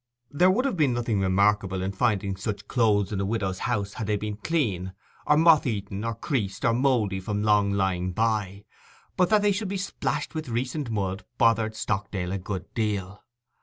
There would have been nothing remarkable in finding such clothes in a widow's house had they been clean; or moth eaten, or creased, or mouldy from long lying by; but that they should be splashed with recent mud bothered Stockdale a good deal.